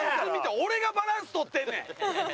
俺がバランス取ってんねん！